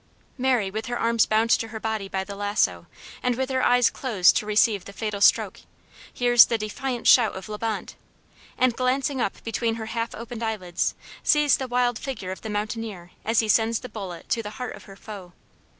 Mary, with her arms bound to her body by the lasso, and with her eyes closed to receive the fatal stroke, hears the defiant shout of La Bonte, and glancing up between her half opened eyelids, sees the wild figure of the mountaineer as he sends the bullet to the heart of her foe.